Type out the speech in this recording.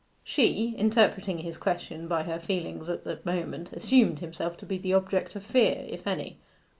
She, interpreting his question by her feelings at the moment, assumed himself to be the object of fear, if any.